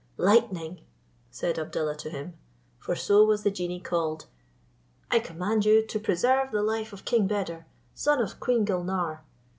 Lightning," said Abdallah to him (for so was the genie called), "I command you to preserve the life of King Beder, son of Queen Gulnare.